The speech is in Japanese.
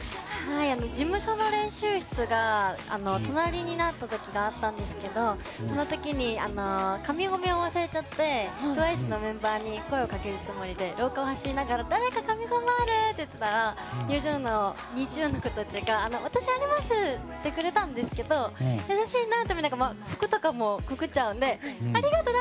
事務所の練習室が隣になったことがあってその時に髪ゴムを忘れちゃってＴＷＩＣＥのメンバーに声をかけるつもりで廊下を走りながら誰か髪留めある？って聞いたらＮｉｚｉＵの子たちが私、あります！って言ってくれたんですけど優しいなと思ったんですけど服とかもくくっちゃうのでありがとう！